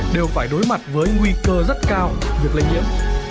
đều phải đối mặt với nguy cơ rất cao việc lây nhiễm